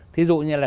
thí dụ như là